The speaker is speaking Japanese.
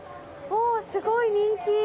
すごい人気！